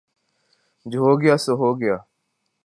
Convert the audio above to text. جو ہو گیا سو ہو گیا